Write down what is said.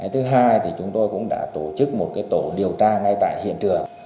thứ hai chúng tôi cũng đã tổ chức một tổ điều tra ngay tại hiện trường